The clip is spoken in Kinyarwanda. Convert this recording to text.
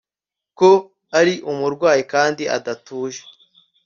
ko ari umurwayi kandi adatuje